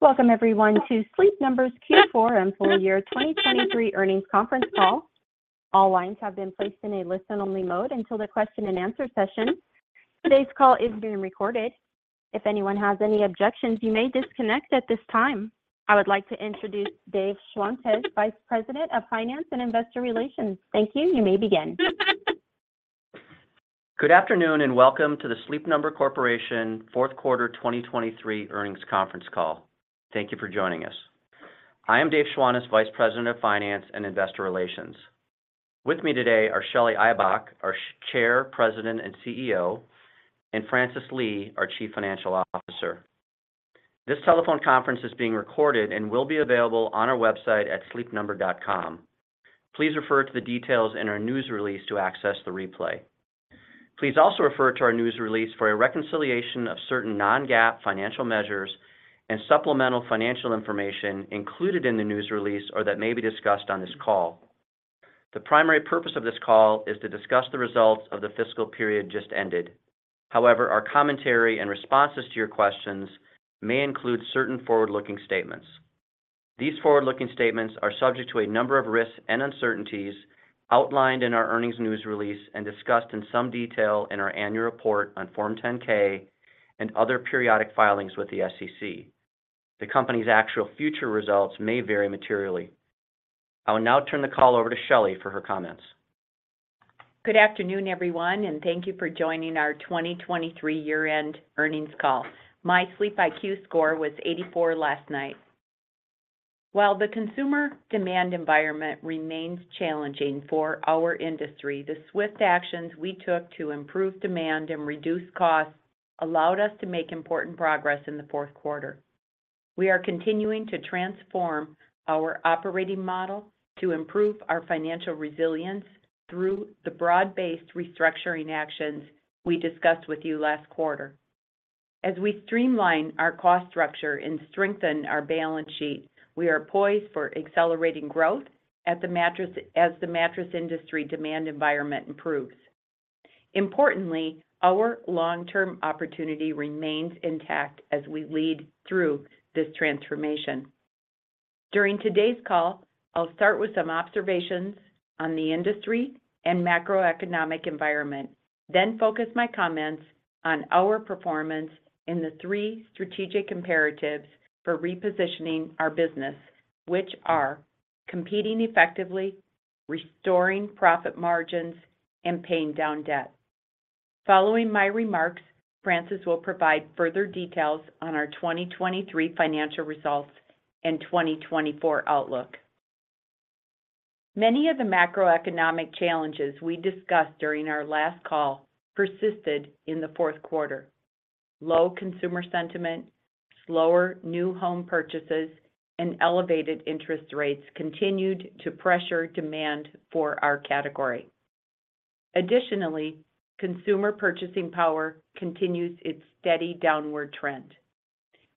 Welcome everyone to Sleep Number's Q4 and full year 2023 earnings conference call. All lines have been placed in a listen-only mode until the question and answer session. Today's call is being recorded. If anyone has any objections, you may disconnect at this time. I would like to introduce Dave Schwantes, Vice President of Finance and Investor Relations. Thank you. You may begin. Good afternoon, and welcome to the Sleep Number Corporation fourth quarter 2023 earnings conference call. Thank you for joining us. I am Dave Schwantes, Vice President of Finance and Investor Relations. With me today are Shelly Ibach, our Chair, President, and CEO, and Francis Lee, our Chief Financial Officer. This telephone conference is being recorded and will be available on our website at sleepnumber.com. Please refer to the details in our news release to access the replay. Please also refer to our news release for a reconciliation of certain non-GAAP financial measures and supplemental financial information included in the news release, or that may be discussed on this call. The primary purpose of this call is to discuss the results of the fiscal period just ended. However, our commentary and responses to your questions may include certain forward-looking statements. These forward-looking statements are subject to a number of risks and uncertainties outlined in our earnings news release and discussed in some detail in our annual report on Form 10-K and other periodic filings with the SEC. The company's actual future results may vary materially. I will now turn the call over to Shelly for her comments. Good afternoon, everyone, and thank you for joining our 2023 year-end earnings call. My SleepIQ score was 84 last night. While the consumer demand environment remains challenging for our industry, the swift actions we took to improve demand and reduce costs allowed us to make important progress in the fourth quarter. We are continuing to transform our operating model to improve our financial resilience through the broad-based restructuring actions we discussed with you last quarter. As we streamline our cost structure and strengthen our balance sheet, we are poised for accelerating growth as the mattress industry demand environment improves. Importantly, our long-term opportunity remains intact as we lead through this transformation. During today's call, I'll start with some observations on the industry and macroeconomic environment, then focus my comments on our performance in the three strategic imperatives for repositioning our business, which are: competing effectively, restoring profit margins, and paying down debt. Following my remarks, Francis will provide further details on our 2023 financial results and 2024 outlook. Many of the macroeconomic challenges we discussed during our last call persisted in the fourth quarter. Low consumer sentiment, slower new home purchases, and elevated interest rates continued to pressure demand for our category. Additionally, consumer purchasing power continues its steady downward trend.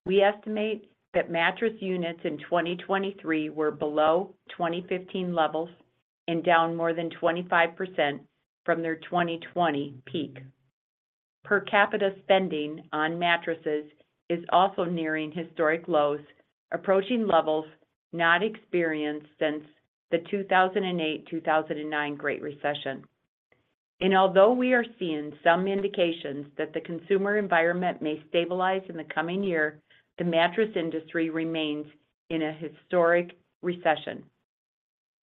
We estimate that mattress units in 2023 were below 2015 levels and down more than 25% from their 2020 peak. Per capita spending on mattresses is also nearing historic lows, approaching levels not experienced since 2008-2009 Great Recession. Although we are seeing some indications that the consumer environment may stabilize in the coming year, the mattress industry remains in a historic recession.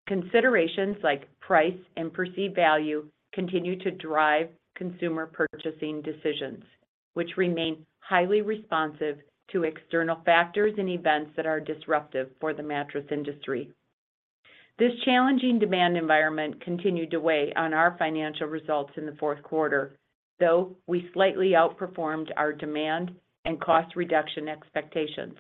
Considerations like price and perceived value continue to drive consumer purchasing decisions, which remain highly responsive to external factors and events that are disruptive for the mattress industry. This challenging demand environment continued to weigh on our financial results in the fourth quarter, though we slightly outperformed our demand and cost reduction expectations.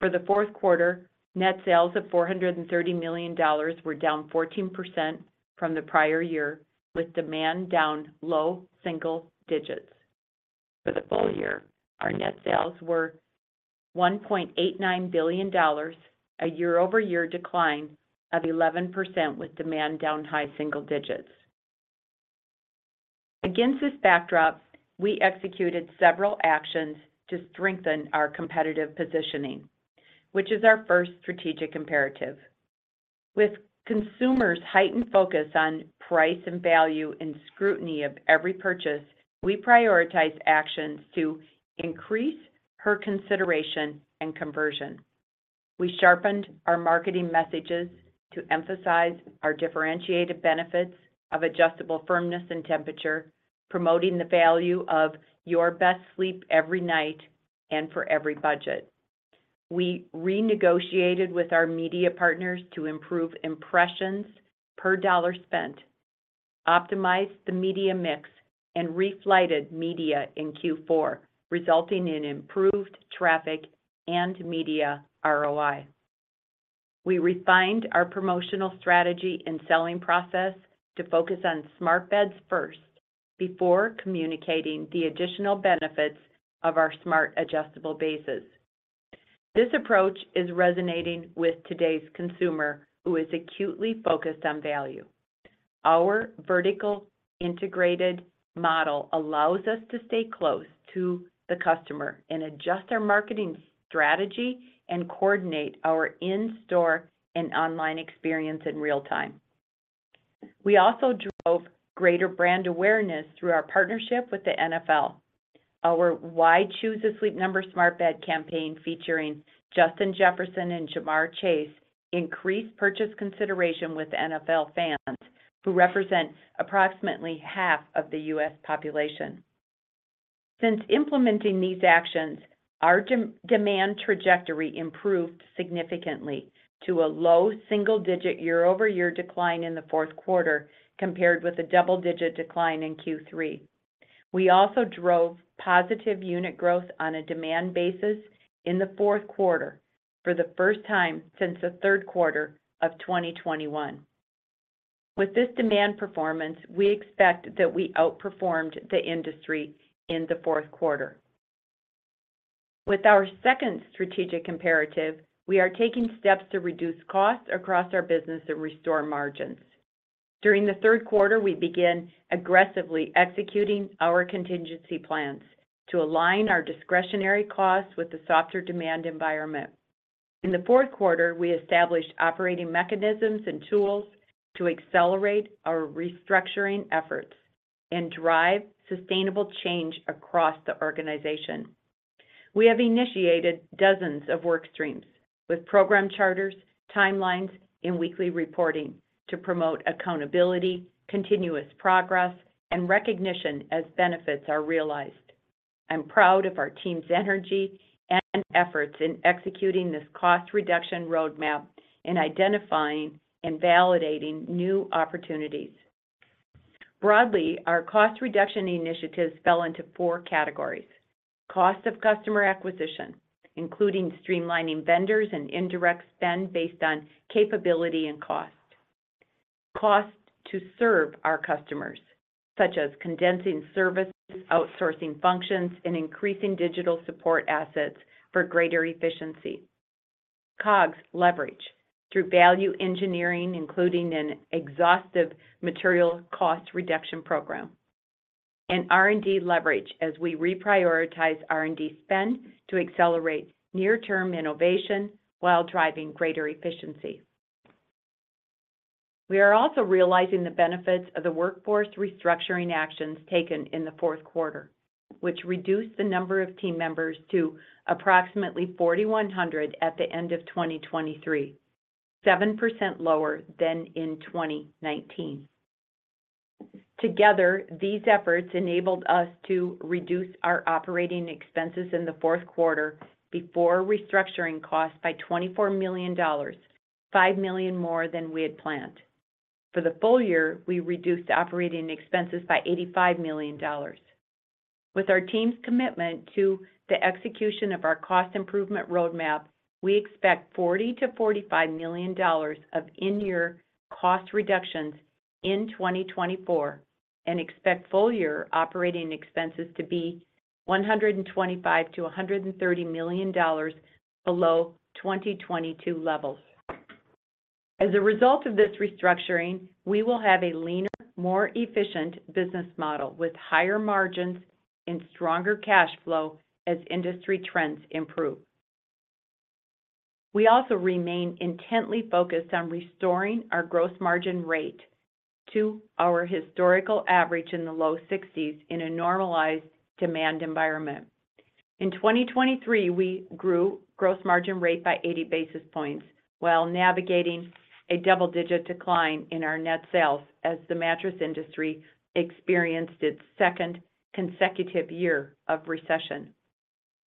For the fourth quarter, net sales of $430 million were down 14% from the prior year, with demand down low single digits. For the full year, our net sales were $1.89 billion, a year-over-year decline of 11%, with demand down high single digits. Against this backdrop, we executed several actions to strengthen our competitive positioning, which is our first strategic imperative. With consumers' heightened focus on price and value and scrutiny of every purchase, we prioritize actions to increase her consideration and conversion. We sharpened our marketing messages to emphasize our differentiated benefits of adjustable firmness and temperature, promoting the value of your best sleep every night and for every budget. We renegotiated with our media partners to improve impressions per dollar spent, optimized the media mix, and reflighted media in Q4, resulting in improved traffic and media ROI. We refined our promotional strategy and selling process to focus on smart beds first, before communicating the additional benefits of our smart, adjustable bases. This approach is resonating with today's consumer, who is acutely focused on value. Our vertically integrated model allows us to stay close to the customer and adjust our marketing strategy and coordinate our in-store and online experience in real time. We also drove greater brand awareness through our partnership with the NFL. Our Why Choose a Sleep Number Smart Bed campaign, featuring Justin Jefferson and Ja'Marr Chase, increased purchase consideration with NFL fans, who represent approximately half of the U.S. population. Since implementing these actions, our demand trajectory improved significantly to a low single-digit year-over-year decline in the fourth quarter, compared with a double-digit decline in Q3. We also drove positive unit growth on a demand basis in the fourth quarter for the first time since the third quarter of 2021. With this demand performance, we expect that we outperformed the industry in the fourth quarter. With our second strategic imperative, we are taking steps to reduce costs across our business and restore margins. During the third quarter, we began aggressively executing our contingency plans to align our discretionary costs with the softer demand environment. In the fourth quarter, we established operating mechanisms and tools to accelerate our restructuring efforts and drive sustainable change across the organization. We have initiated dozens of work streams, with program charters, timelines, and weekly reporting to promote accountability, continuous progress, and recognition as benefits are realized. I'm proud of our team's energy and efforts in executing this cost reduction roadmap and identifying and validating new opportunities. Broadly, our cost reduction initiatives fell into four categories: cost of customer acquisition, including streamlining vendors and indirect spend based on capability and cost. Cost to serve our customers, such as condensing services, outsourcing functions, and increasing digital support assets for greater efficiency. COGS leverage through value engineering, including an exhaustive material cost reduction program, and R&D leverage as we reprioritize R&D spend to accelerate near-term innovation while driving greater efficiency. We are also realizing the benefits of the workforce restructuring actions taken in the fourth quarter, which reduced the number of team members to approximately 4,100 at the end of 2023, 7% lower than in 2019. Together, these efforts enabled us to reduce our operating expenses in the fourth quarter before restructuring costs by $24 million, $5 million more than we had planned. For the full year, we reduced operating expenses by $85 million. With our team's commitment to the execution of our cost improvement roadmap, we expect $40 million-$45 million of in-year cost reductions in 2024, and expect full year operating expenses to be $125 million-$130 million below 2022 levels. As a result of this restructuring, we will have a leaner, more efficient business model with higher margins and stronger cash flow as industry trends improve. We also remain intently focused on restoring our gross margin rate to our historical average in the low 60s in a normalized demand environment. In 2023, we grew gross margin rate by 80 basis points while navigating a double-digit decline in our net sales as the mattress industry experienced its second consecutive year of recession.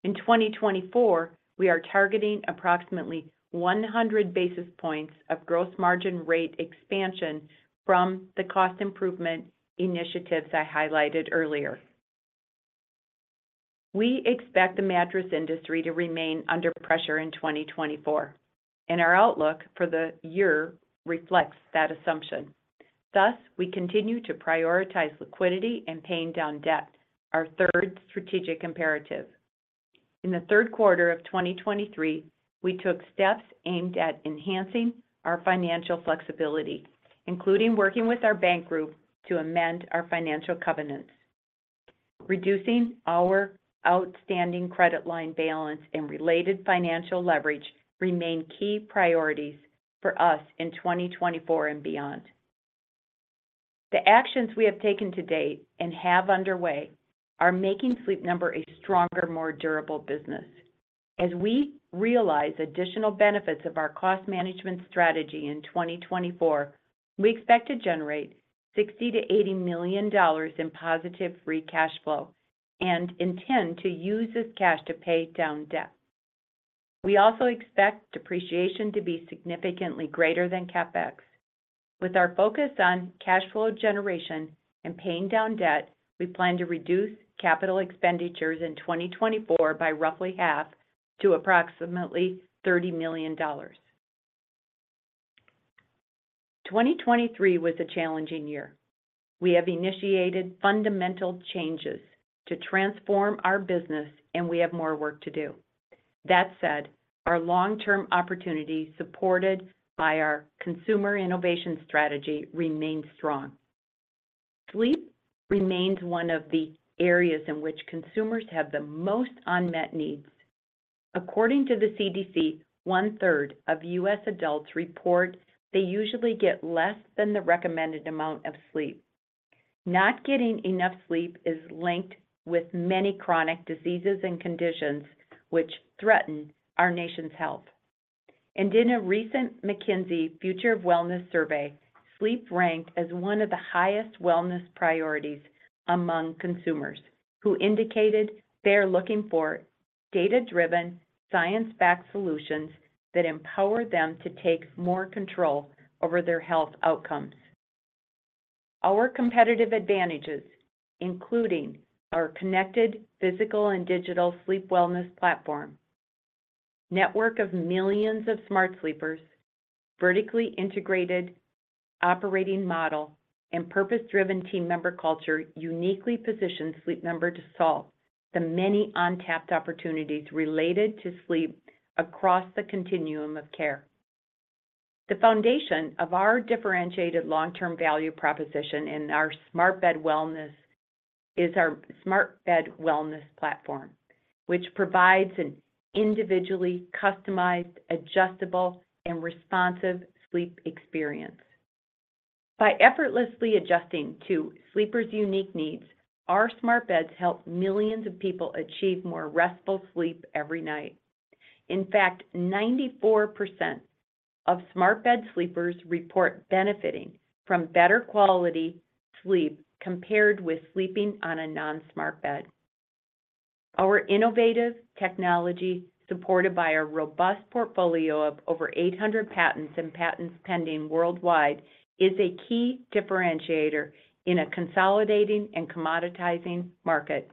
In 2024, we are targeting approximately 100 basis points of gross margin rate expansion from the cost improvement initiatives I highlighted earlier. We expect the mattress industry to remain under pressure in 2024, and our outlook for the year reflects that assumption. Thus, we continue to prioritize liquidity and paying down debt, our third strategic imperative. In the third quarter of 2023, we took steps aimed at enhancing our financial flexibility, including working with our bank group to amend our financial covenants. Reducing our outstanding credit line balance and related financial leverage remain key priorities for us in 2024 and beyond. The actions we have taken to date and have underway are making Sleep Number a stronger, more durable business. As we realize additional benefits of our cost management strategy in 2024, we expect to generate $60 million-$80 million in positive free cash flow and intend to use this cash to pay down debt. We also expect depreciation to be significantly greater than CapEx. With our focus on cash flow generation and paying down debt, we plan to reduce capital expenditures in 2024 by roughly half to approximately $30 million. 2023 was a challenging year. We have initiated fundamental changes to transform our business, and we have more work to do. That said, our long-term opportunities, supported by our consumer innovation strategy, remain strong. Sleep remains one of the areas in which consumers have the most unmet needs. According to the CDC, 1/3 of U.S. adults report they usually get less than the recommended amount of sleep. Not getting enough sleep is linked with many chronic diseases and conditions, which threaten our nation's health. In a recent McKinsey Future of Wellness survey, sleep ranked as one of the highest wellness priorities among consumers, who indicated they are looking for data-driven, science-backed solutions that empower them to take more control over their health outcomes. Our competitive advantages, including our connected physical and digital sleep wellness platform, network of millions of Smart Sleepers, vertically integrated operating model, and purpose-driven team member culture, uniquely position Sleep Number to solve the many untapped opportunities related to sleep across the continuum of care. The foundation of our differentiated long-term value proposition in our smart bed wellness is our smart bed wellness platform, which provides an individually customized, adjustable, and responsive sleep experience. By effortlessly adjusting to sleepers' unique needs, our smart beds help millions of people achieve more restful sleep every night. In fact, 94% of smart bed sleepers report benefiting from better quality sleep compared with sleeping on a non-smart bed. Our innovative technology, supported by a robust portfolio of over 800 patents and patents pending worldwide, is a key differentiator in a consolidating and commoditizing market.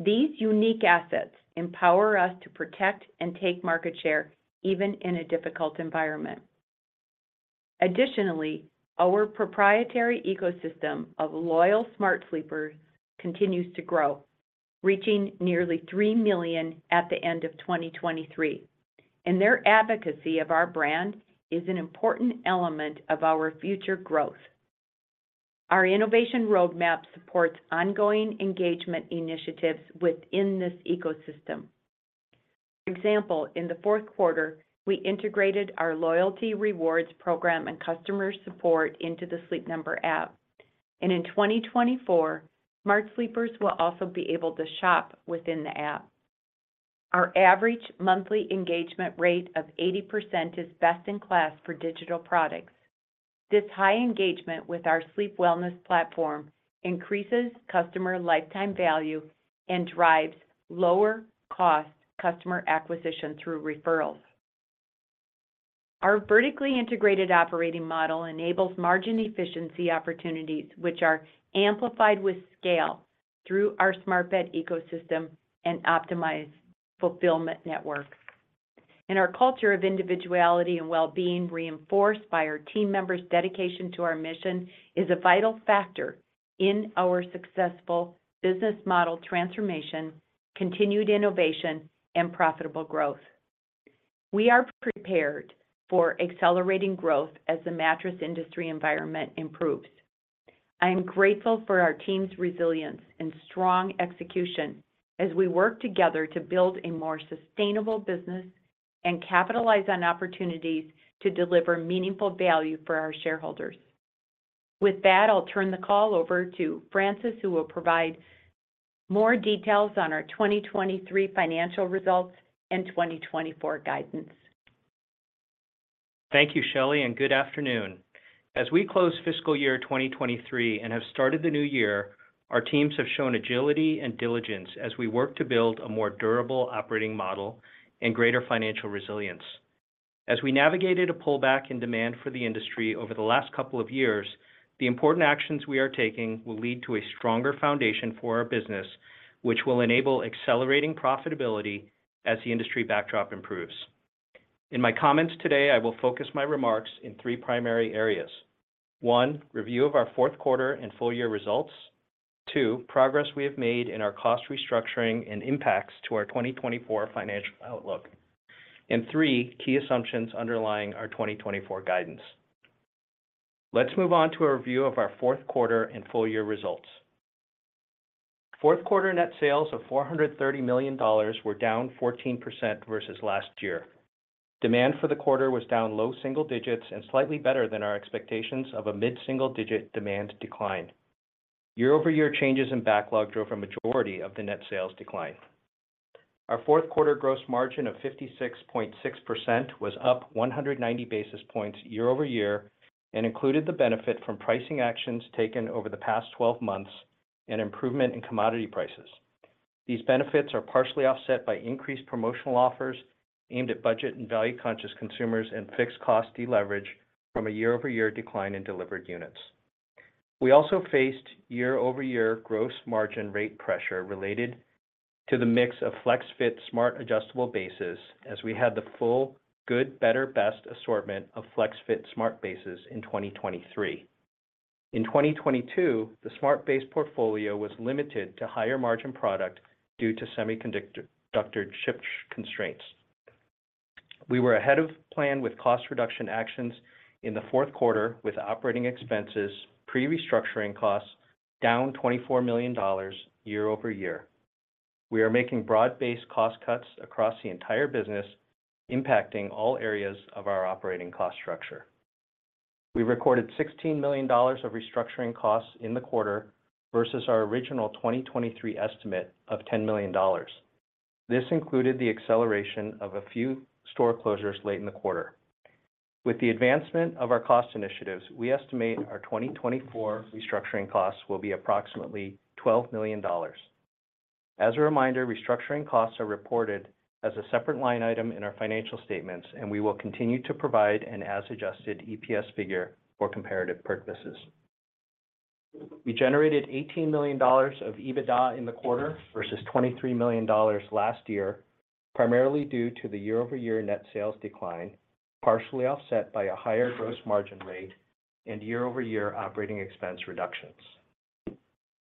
These unique assets empower us to protect and take market share even in a difficult environment. Additionally, our proprietary ecosystem of loyal Smart Sleepers continues to grow, reaching nearly 3 million at the end of 2023, and their advocacy of our brand is an important element of our future growth. Our innovation roadmap supports ongoing engagement initiatives within this ecosystem. For example, in the fourth quarter, we integrated our loyalty rewards program and customer support into the Sleep Number App. In 2024, Smart Sleepers will also be able to shop within the app. Our average monthly engagement rate of 80% is best in class for digital products. This high engagement with our sleep wellness platform increases customer lifetime value and drives lower cost customer acquisition through referrals. Our vertically integrated operating model enables margin efficiency opportunities, which are amplified with scale through our smart bed ecosystem and optimized fulfillment network. Our culture of individuality and well-being, reinforced by our team members' dedication to our mission, is a vital factor in our successful business model transformation, continued innovation, and profitable growth. We are prepared for accelerating growth as the mattress industry environment improves. I am grateful for our team's resilience and strong execution as we work together to build a more sustainable business and capitalize on opportunities to deliver meaningful value for our shareholders. With that, I'll turn the call over to Francis, who will provide more details on our 2023 financial results and 2024 guidance. Thank you, Shelly, and good afternoon. As we close fiscal year 2023 and have started the new year, our teams have shown agility and diligence as we work to build a more durable operating model and greater financial resilience. As we navigated a pullback in demand for the industry over the last couple of years, the important actions we are taking will lead to a stronger foundation for our business, which will enable accelerating profitability as the industry backdrop improves. In my comments today, I will focus my remarks in three primary areas: one, review of our fourth quarter and full year results; two, progress we have made in our cost restructuring and impacts to our 2024 financial outlook; and three, key assumptions underlying our 2024 guidance. Let's move on to a review of our fourth quarter and full year results. Fourth quarter net sales of $430 million were down 14% versus last year. Demand for the quarter was down low single digits and slightly better than our expectations of a mid-single-digit demand decline. Year-over-year changes in backlog drove a majority of the net sales decline. Our fourth quarter gross margin of 56.6% was up 190 basis points year over year and included the benefit from pricing actions taken over the past 12 months and improvement in commodity prices. These benefits are partially offset by increased promotional offers aimed at budget and value-conscious consumers and fixed cost deleverage from a year-over-year decline in delivered units. We also faced year-over-year gross margin rate pressure related to the mix of FlexFit Smart Adjustable Bases, as we had the full good, better, best assortment of FlexFit Smart Bases in 2023. In 2022, the smart beds portfolio was limited to higher-margin product due to semiconductor chip constraints. We were ahead of plan with cost reduction actions in the fourth quarter, with operating expenses, pre-restructuring costs, down $24 million year-over-year. We are making broad-based cost cuts across the entire business, impacting all areas of our operating cost structure. We recorded $16 million of restructuring costs in the quarter versus our original 2023 estimate of $10 million. This included the acceleration of a few store closures late in the quarter. With the advancement of our cost initiatives, we estimate our 2024 restructuring costs will be approximately $12 million. As a reminder, restructuring costs are reported as a separate line item in our financial statements, and we will continue to provide an as-adjusted EPS figure for comparative purposes. We generated $18 million of EBITDA in the quarter versus $23 million last year, primarily due to the year-over-year net sales decline, partially offset by a higher gross margin rate and year-over-year operating expense reductions.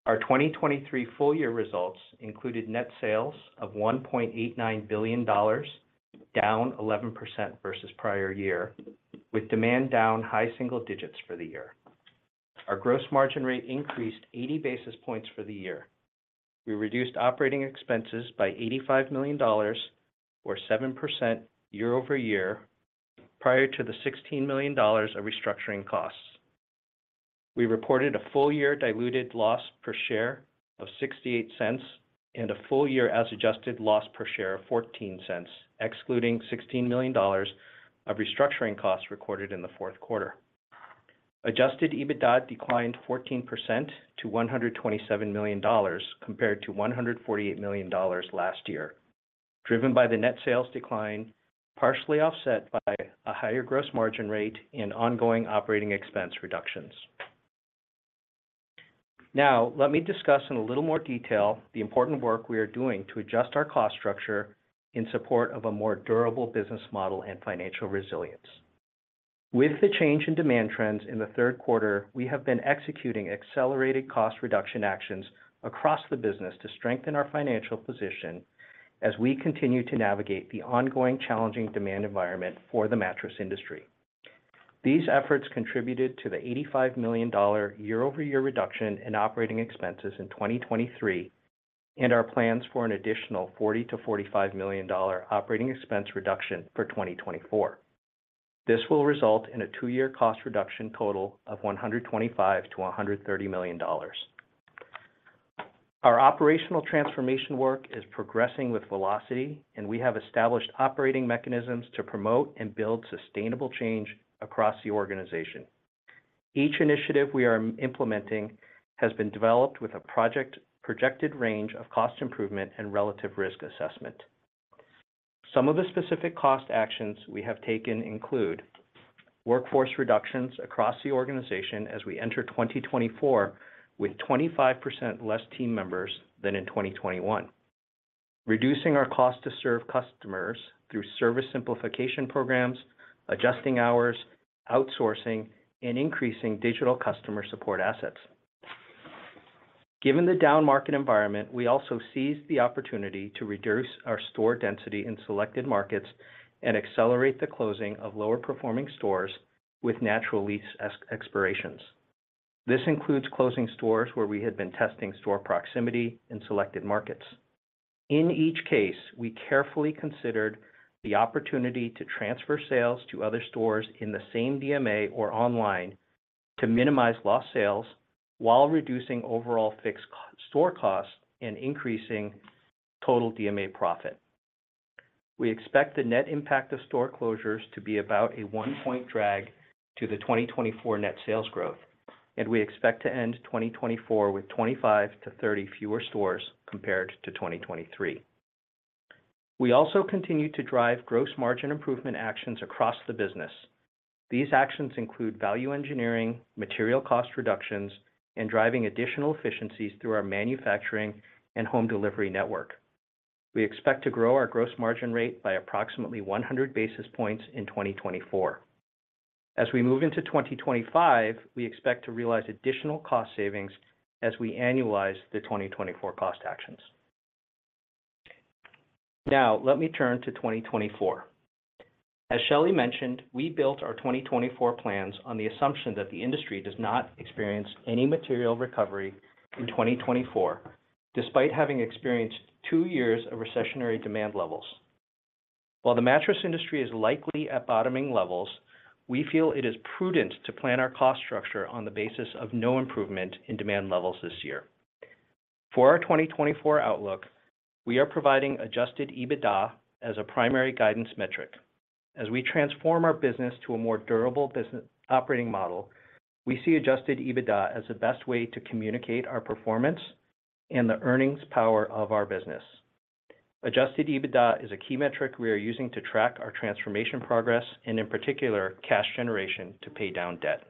Our 2023 full year results included net sales of $1.89 billion, down 11% versus prior year, with demand down high single digits for the year. Our gross margin rate increased 80 basis points for the year. We reduced operating expenses by $85 million, or 7% year-over-year, prior to the $16 million of restructuring costs. We reported a full year diluted loss per share of $0.68 and a full year as-adjusted loss per share of $0.14, excluding $16 million of restructuring costs recorded in the fourth quarter. Adjusted EBITDA declined 14% to $127 million, compared to $148 million last year, driven by the net sales decline, partially offset by a higher gross margin rate and ongoing operating expense reductions. Now, let me discuss in a little more detail the important work we are doing to adjust our cost structure in support of a more durable business model and financial resilience. With the change in demand trends in the third quarter, we have been executing accelerated cost reduction actions across the business to strengthen our financial position as we continue to navigate the ongoing challenging demand environment for the mattress industry. These efforts contributed to the $85 million year-over-year reduction in operating expenses in 2023, and our plans for an additional $40 million-$45 million operating expense reduction for 2024. This will result in a two-year cost reduction total of $125 million-$130 million. Our operational transformation work is progressing with velocity, and we have established operating mechanisms to promote and build sustainable change across the organization. Each initiative we are implementing has been developed with a projected range of cost improvement and relative risk assessment. Some of the specific cost actions we have taken include: workforce reductions across the organization as we enter 2024, with 25% less team members than in 2021. Reducing our cost to serve customers through service simplification programs, adjusting hours, outsourcing, and increasing digital customer support assets. Given the down market environment, we also seized the opportunity to reduce our store density in selected markets and accelerate the closing of lower-performing stores with natural lease expirations. This includes closing stores where we had been testing store proximity in selected markets. In each case, we carefully considered the opportunity to transfer sales to other stores in the same DMA or online to minimize lost sales while reducing overall fixed cost-store costs and increasing total DMA profit. We expect the net impact of store closures to be about a 1-point drag to the 2024 net sales growth, and we expect to end 2024 with 25-30 fewer stores compared to 2023. We also continue to drive gross margin improvement actions across the business. These actions include value engineering, material cost reductions, and driving additional efficiencies through our manufacturing and home delivery network. We expect to grow our gross margin rate by approximately 100 basis points in 2024. As we move into 2025, we expect to realize additional cost savings as we annualize the 2024 cost actions. Now, let me turn to 2024. As Shelly mentioned, we built our 2024 plans on the assumption that the industry does not experience any material recovery in 2024, despite having experienced two years of recessionary demand levels. While the mattress industry is likely at bottoming levels, we feel it is prudent to plan our cost structure on the basis of no improvement in demand levels this year. For our 2024 outlook, we are providing adjusted EBITDA as a primary guidance metric. As we transform our business to a more durable business operating model, we see adjusted EBITDA as the best way to communicate our performance and the earnings power of our business. Adjusted EBITDA is a key metric we are using to track our transformation progress, and in particular, cash generation to pay down debt.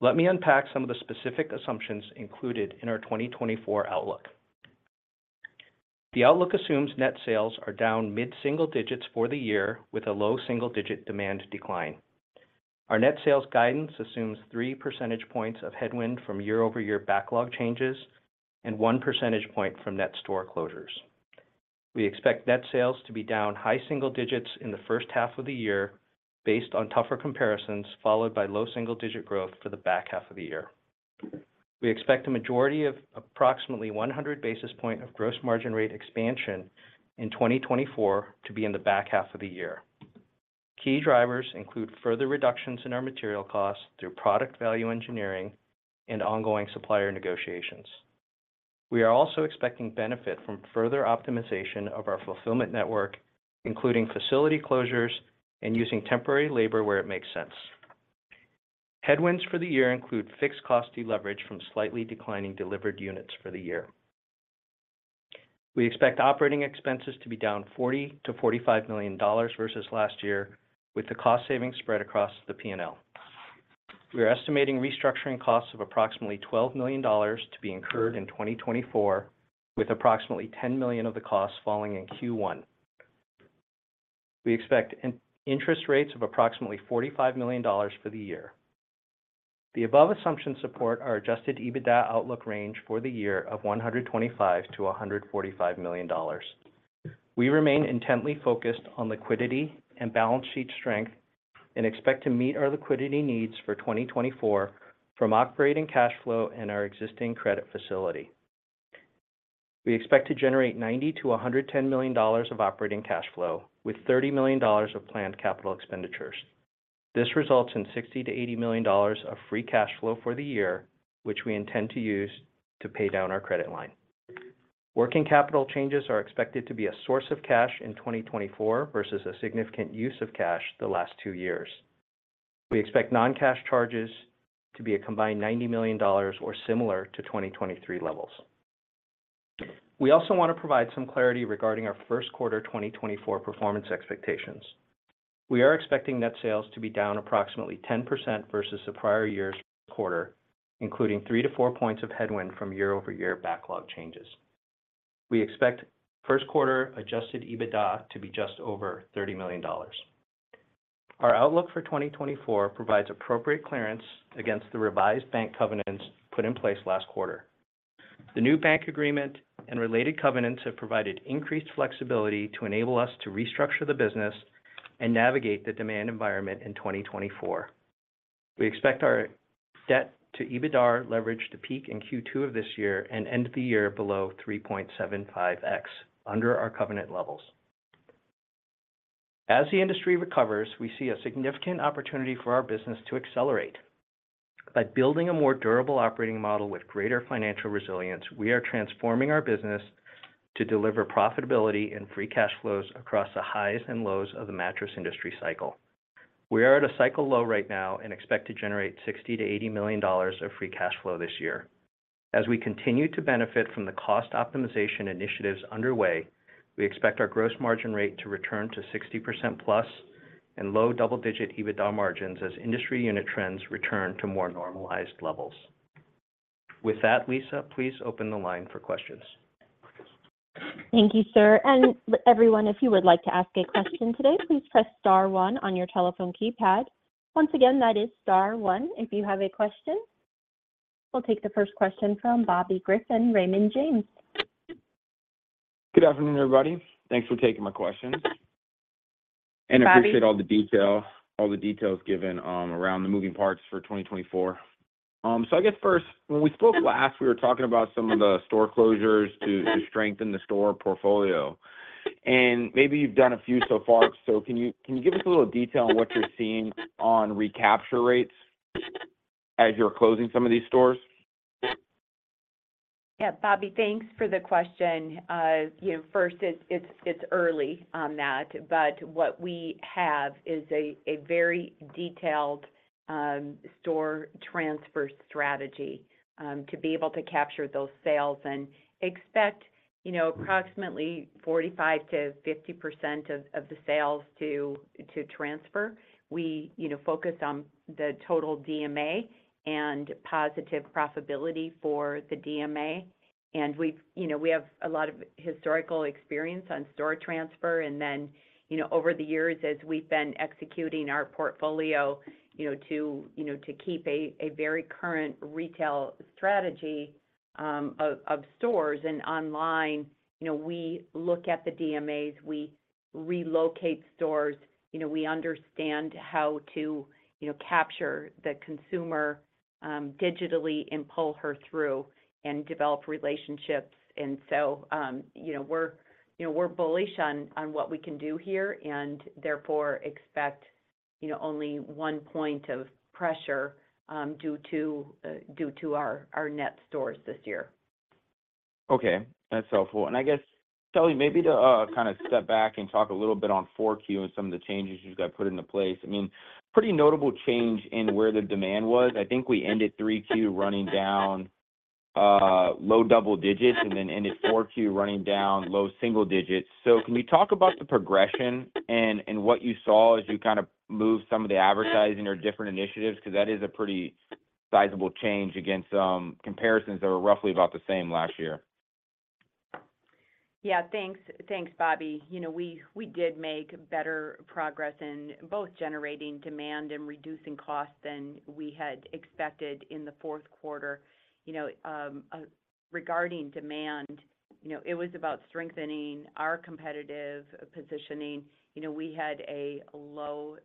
Let me unpack some of the specific assumptions included in our 2024 outlook. The outlook assumes net sales are down mid-single digits for the year, with a low single-digit demand decline. Our net sales guidance assumes 3 percentage points of headwind from year-over-year backlog changes and 1 percentage point from net store closures. We expect net sales to be down high single digits in the first half of the year, based on tougher comparisons, followed by low single-digit growth for the back half of the year. We expect a majority of approximately 100 basis points of gross margin rate expansion in 2024 to be in the back half of the year. Key drivers include further reductions in our material costs through product value engineering and ongoing supplier negotiations. We are also expecting benefit from further optimization of our fulfillment network, including facility closures and using temporary labor where it makes sense. Headwinds for the year include fixed cost deleverage from slightly declining delivered units for the year. We expect operating expenses to be down $40 million-$45 million versus last year, with the cost savings spread across the P&L. We are estimating restructuring costs of approximately $12 million to be incurred in 2024, with approximately $10 million of the costs falling in Q1. We expect interest expense of approximately $45 million for the year. The above assumptions support our Adjusted EBITDA outlook range for the year of $125 million-$145 million. We remain intently focused on liquidity and balance sheet strength, and expect to meet our liquidity needs for 2024 from operating cash flow and our existing credit facility. We expect to generate $90 million-$110 million of operating cash flow, with $30 million of planned capital expenditures. This results in $60 million-$80 million of free cash flow for the year, which we intend to use to pay down our credit line. Working capital changes are expected to be a source of cash in 2024 versus a significant use of cash the last two years. We expect non-cash charges to be a combined $90 million or similar to 2023 levels. We also want to provide some clarity regarding our first quarter 2024 performance expectations. We are expecting net sales to be down approximately 10% versus the prior year's quarter, including 3-4 points of headwind from year-over-year backlog changes. We expect first quarter adjusted EBITDA to be just over $30 million. Our outlook for 2024 provides appropriate clearance against the revised bank covenants put in place last quarter. The new bank agreement and related covenants have provided increased flexibility to enable us to restructure the business and navigate the demand environment in 2024. We expect our debt to EBITDA leverage to peak in Q2 of this year and end the year below 3.75x, under our covenant levels. As the industry recovers, we see a significant opportunity for our business to accelerate. By building a more durable operating model with greater financial resilience, we are transforming our business to deliver profitability and free cash flows across the highs and lows of the mattress industry cycle. We are at a cycle low right now and expect to generate $60 million-$80 million of free cash flow this year. As we continue to benefit from the cost optimization initiatives underway, we expect our gross margin rate to return to 60%+ and low double-digit EBITDA margins as industry unit trends return to more normalized levels. With that, Lisa, please open the line for questions. Thank you, sir. And everyone, if you would like to ask a question today, please press star one on your telephone keypad. Once again, that is star one if you have a question. We'll take the first question from Bobby Griffin, Raymond James. Good afternoon, everybody. Thanks for taking my questions. Bobby- And appreciate all the detail, all the details given, around the moving parts for 2024. So I guess first, when we spoke last, we were talking about some of the store closures to, to strengthen the store portfolio. And maybe you've done a few so far, so can you, can you give us a little detail on what you're seeing on recapture rates as you're closing some of these stores? Yeah, Bobby, thanks for the question. You know, first, it's early on that, but what we have is a very detailed store transfer strategy to be able to capture those sales and expect, you know, approximately 45%-50% of the sales to transfer. We, you know, focus on the total DMA and positive profitability for the DMA. And we've, you know, we have a lot of historical experience on store transfer. And then, you know, over the years, as we've been executing our portfolio, you know, to keep a very current retail strategy of stores and online, you know, we look at the DMAs, we relocate stores, you know, we understand how to, you know, capture the consumer digitally and pull her through and develop relationships. You know, we're bullish on what we can do here, and therefore expect, you know, only one point of pressure due to our net stores this year. Okay. That's helpful. And I guess, Shelly, maybe to kind of step back and talk a little bit on 4Q and some of the changes you've got put into place. I mean, pretty notable change in where the demand was. I think we ended 3Q running down low double digits and then ended 4Q running down low single digits. So can we talk about the progression and what you saw as you kind of moved some of the advertising or different initiatives? Because that is a pretty sizable change against comparisons that were roughly about the same last year. Yeah, thanks. Thanks, Bobby. You know, we did make better progress in both generating demand and reducing costs than we had expected in the fourth quarter. You know, regarding demand, you know, it was about strengthening our competitive positioning. You know, we had a low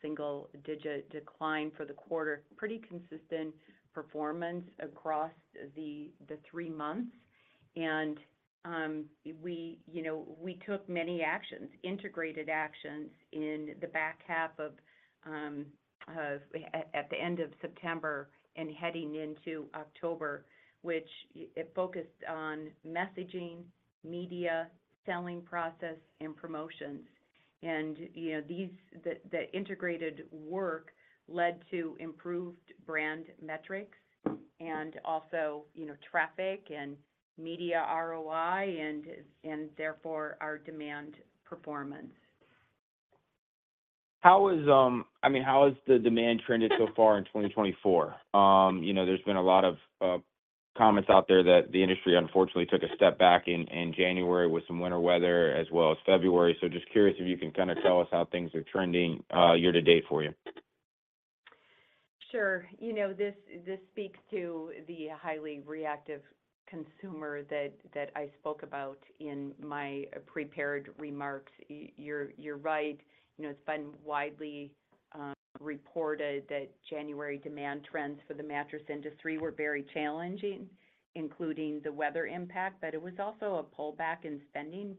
single-digit decline for the quarter. Pretty consistent performance across the three months. And, you know, we took many actions, integrated actions, in the back half of at the end of September and heading into October, which it focused on messaging, media, selling process, and promotions. And, you know, these, the integrated work led to improved brand metrics and also, you know, traffic and media ROI and therefore our demand performance. How is, I mean, how has the demand trended so far in 2024? You know, there's been a lot of comments out there that the industry unfortunately took a step back in, in January with some winter weather as well as February. So just curious if you can kind of tell us how things are trending, year to date for you. Sure. You know, this speaks to the highly reactive consumer that I spoke about in my prepared remarks. You're right. You know, it's been widely reported that January demand trends for the mattress industry were very challenging, including the weather impact, but it was also a pullback in spending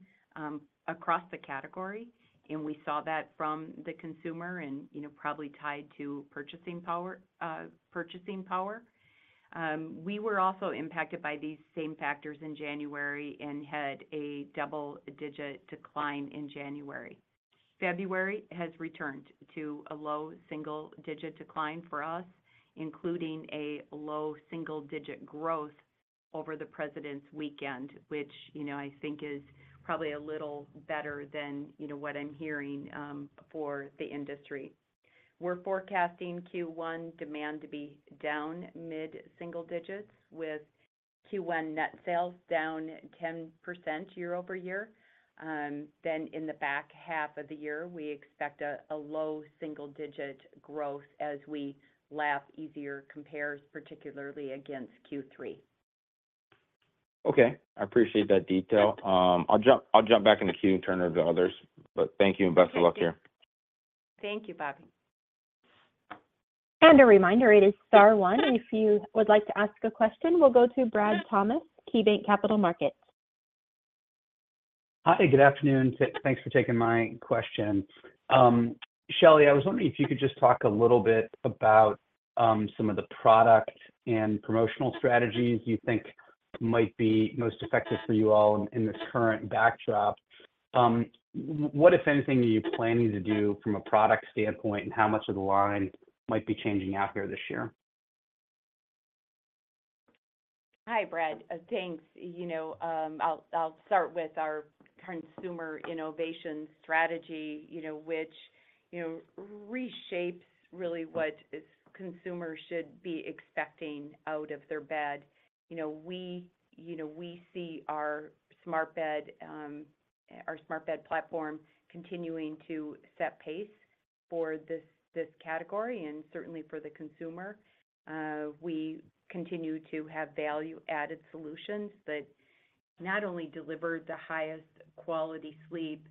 across the category, and we saw that from the consumer and, you know, probably tied to purchasing power. We were also impacted by these same factors in January and had a double-digit decline in January. February has returned to a low single-digit decline for us, including a low single-digit growth over the President's weekend, which, you know, I think is probably a little better than, you know, what I'm hearing for the industry. We're forecasting Q1 demand to be down mid-single digits, with Q1 net sales down 10% year-over-year. Then in the back half of the year, we expect a low single-digit growth as we lap easier compares, particularly against Q3. Okay. I appreciate that detail. I'll jump back in the queue and turn it over to others. But thank you, and best of luck here. Thank you, Bobby. A reminder, it is star one if you would like to ask a question. We'll go to Brad Thomas, KeyBanc Capital Markets. Hi, good afternoon. Thanks for taking my question. Shelly, I was wondering if you could just talk a little bit about some of the product and promotional strategies you think might be most effective for you all in this current backdrop. What, if anything, are you planning to do from a product standpoint, and how much of the line might be changing out there this year? Hi, Brad. Thanks. You know, I'll start with our consumer innovation strategy, you know, which, you know, reshapes really what it's consumers should be expecting out of their bed. You know, we, you know, we see our smart bed, our smart bed platform continuing to set pace for this category and certainly for the consumer. We continue to have value-added solutions that not only deliver the highest quality sleep.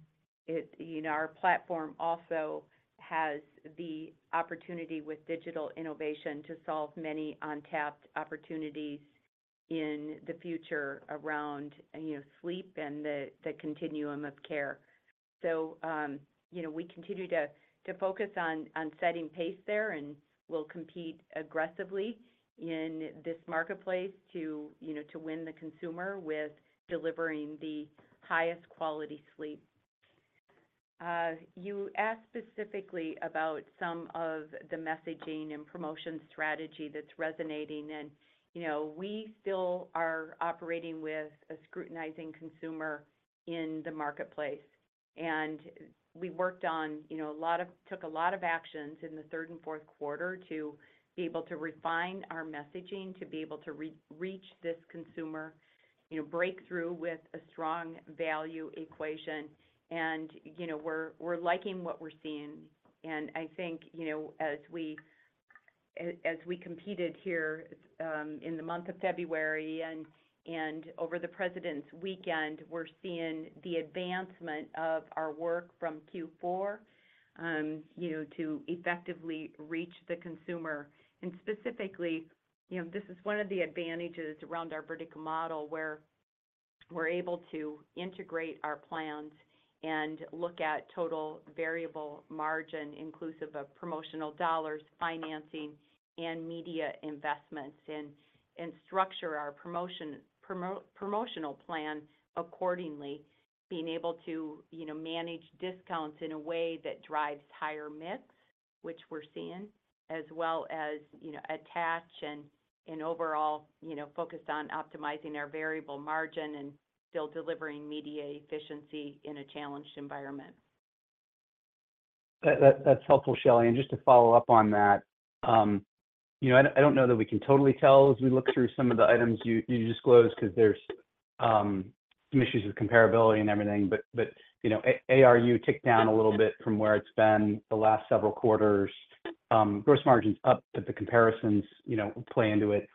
You know, our platform also has the opportunity with digital innovation to solve many untapped opportunities in the future around, you know, sleep and the continuum of care. So, you know, we continue to focus on setting pace there, and we'll compete aggressively in this marketplace to, you know, to win the consumer with delivering the highest quality sleep. You asked specifically about some of the messaging and promotion strategy that's resonating and, you know, we still are operating with a scrutinizing consumer in the marketplace, and we worked on, you know, took a lot of actions in the third and fourth quarter to be able to refine our messaging, to be able to re-reach this consumer, you know, break through with a strong value equation. And, you know, we're, we're liking what we're seeing. And I think, you know, as we competed here in the month of February and over the President's Weekend, we're seeing the advancement of our work from Q4, you know, to effectively reach the consumer. Specifically, you know, this is one of the advantages around our vertical model, where we're able to integrate our plans and look at total variable margin, inclusive of promotional dollars, financing, and media investments, and structure our promotional plan accordingly, being able to, you know, manage discounts in a way that drives higher mix... which we're seeing, as well as, you know, attach and overall, you know, focused on optimizing our variable margin and still delivering media efficiency in a challenged environment. That's helpful, Shelly. And just to follow up on that, you know, I don't know that we can totally tell as we look through some of the items you disclosed, 'cause there's some issues with comparability and everything, but you know, ARU ticked down a little bit from where it's been the last several quarters. Gross margins up, but the comparisons, you know, play into it.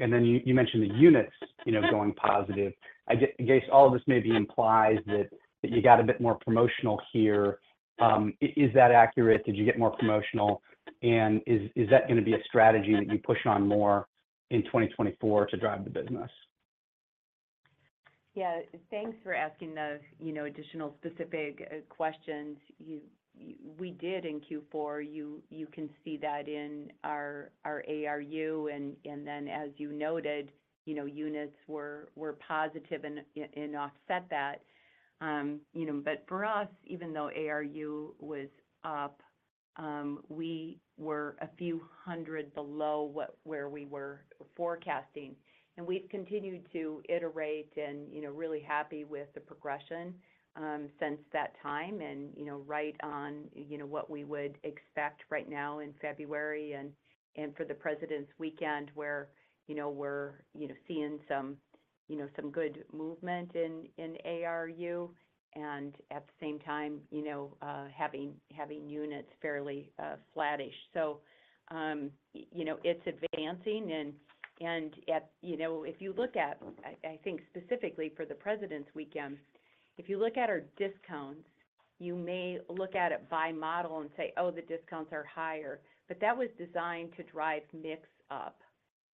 And then you mentioned the units, you know, going positive. I guess all of this maybe implies that you got a bit more promotional here. Is that accurate? Did you get more promotional? And is that gonna be a strategy that you push on more in 2024 to drive the business? Yeah, thanks for asking those, you know, additional specific questions. We did in Q4, you can see that in our ARU, and then, as you noted, you know, units were positive and offset that. You know, but for us, even though ARU was up, we were a few hundred below what where we were forecasting. And we've continued to iterate and, you know, really happy with the progression since that time. And, you know, right on, you know, what we would expect right now in February, and for the President's Weekend, where, you know, we're, you know, seeing some, you know, some good movement in ARU, and at the same time, you know, having units fairly flattish. So, you know, it's advancing. And at, you know, if you look at... I think specifically for the President's Weekend, if you look at our discounts, you may look at it by model and say, "Oh, the discounts are higher," but that was designed to drive mix up.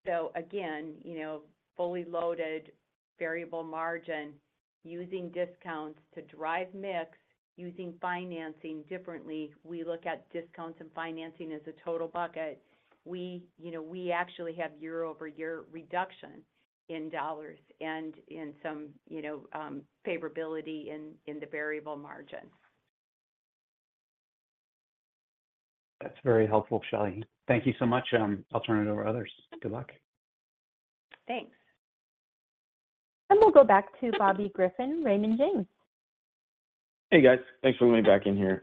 So again, you know, fully loaded, variable margin, using discounts to drive mix, using financing differently. We look at discounts and financing as a total bucket. You know, we actually have year-over-year reduction in dollars and in some, you know, favorability in the variable margin. That's very helpful, Shelly. Thank you so much. I'll turn it over to others. Good luck. Thanks. Then we'll go back to Bobby Griffin, Raymond James. Hey, guys. Thanks for letting me back in here.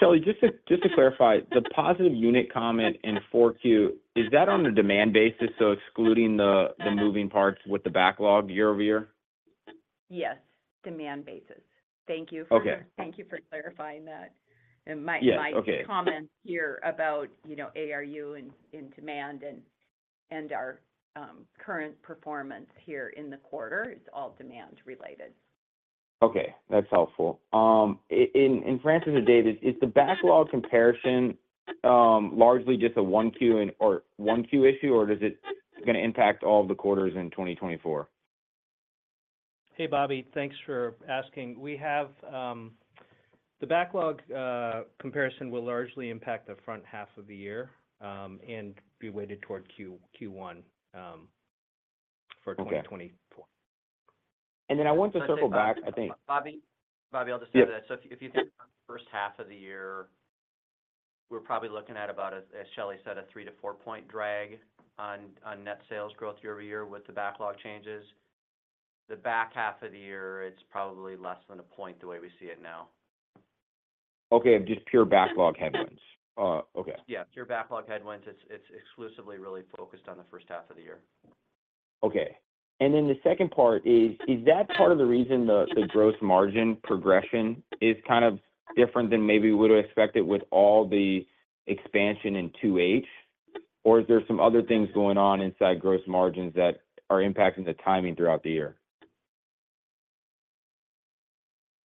Shelly, just to clarify, the positive unit comment in 4Q, is that on a demand basis, so excluding the moving parts with the backlog year-over-year? Yes, demand basis. Thank you for- Okay. Thank you for clarifying that. Yeah, okay. My comments here about, you know, ARU and demand and our current performance here in the quarter, it's all demand related. Okay, that's helpful. And Francis or David, is the backlog comparison largely just a 1Q and, or 1Q issue, or is it gonna impact all the quarters in 2024? Hey, Bobby, thanks for asking. We have the backlog comparison will largely impact the front half of the year and be weighted toward Q1 for 2024. Okay. And then I want to circle back, I think- Bobby, Bobby, I'll just add to that. Yeah. So if you think about the first half of the year, we're probably looking at about, as Shelly said, a 3-4 point drag on net sales growth year-over-year with the backlog changes. The back half of the year, it's probably less than 1 point the way we see it now. Okay, just pure backlog headwinds. Okay. Yeah, pure backlog headwinds. It's exclusively really focused on the first half of the year. Okay. And then the second part is that part of the reason the gross margin progression is kind of different than maybe we would have expected with all the expansion in 2H? Or is there some other things going on inside gross margins that are impacting the timing throughout the year?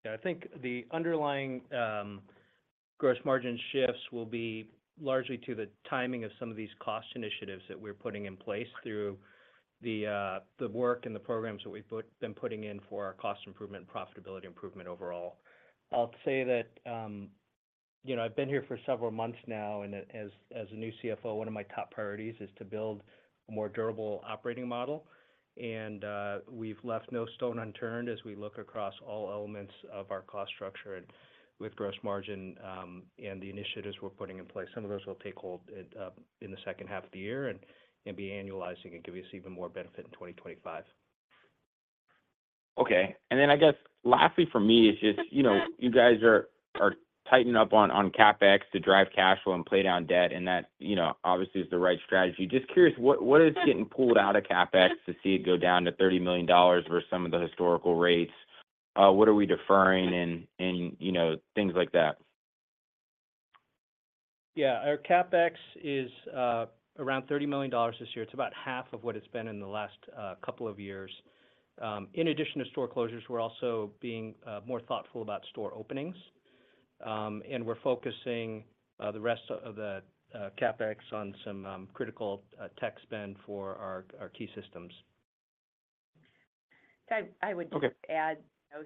Yeah, I think the underlying gross margin shifts will be largely to the timing of some of these cost initiatives that we're putting in place through the the work and the programs that we've put, been putting in for our cost improvement and profitability improvement overall. I'll say that, you know, I've been here for several months now, and as a new CFO, one of my top priorities is to build a more durable operating model. And we've left no stone unturned as we look across all elements of our cost structure and with Gross Margin and the initiatives we're putting in place. Some of those will take hold at in the second half of the year and be annualizing and give us even more benefit in 2025. Okay. And then I guess lastly for me is just, you know, you guys are tightening up on CapEx to drive cash flow and pay down debt, and that, you know, obviously is the right strategy. Just curious, what is getting pulled out of CapEx to see it go down to $30 million versus some of the historical rates? What are we deferring and, you know, things like that? Yeah. Our CapEx is around $30 million this year. It's about half of what it's been in the last couple of years. In addition to store closures, we're also being more thoughtful about store openings. And we're focusing the rest of the CapEx on some critical tech spend for our key systems. I would Okay... just add,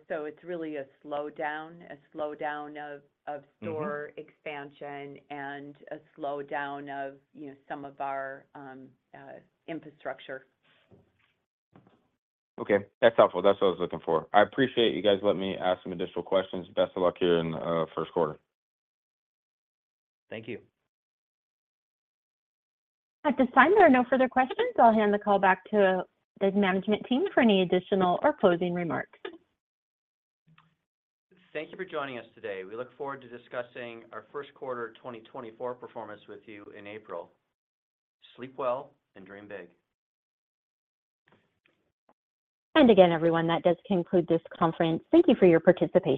so it's really a slowdown, a slowdown of, of- Mm-hmm... store expansion and a slowdown of, you know, some of our infrastructure. Okay, that's helpful. That's what I was looking for. I appreciate you guys letting me ask some additional questions. Best of luck here in the first quarter. Thank you. At this time, there are no further questions. I'll hand the call back to the management team for any additional or closing remarks. Thank you for joining us today. We look forward to discussing our first quarter 2024 performance with you in April. Sleep well and dream big. Again, everyone, that does conclude this conference. Thank you for your participation.